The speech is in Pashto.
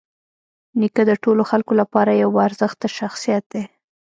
نیکه د ټولو خلکو لپاره یوه باارزښته شخصیت دی.